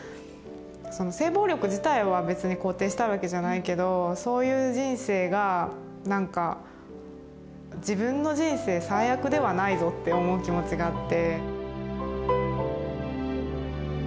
その性暴力自体は別に肯定したいわけじゃないけどそういう人生がなんか「自分の人生最悪ではないぞ」って思う気持ちがあって。